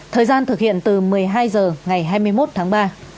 thời gian thực hiện từ một mươi hai h ngày hai mươi một tháng ba